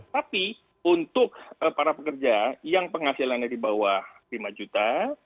tapi untuk para pekerja yang penghasilannya di bawah lima juta